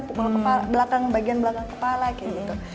pukul belakang bagian belakang kepala kayak gitu